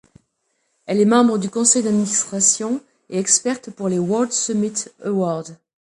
Elle est membre du Conseil d'administration et experte pour les World Summit Awards.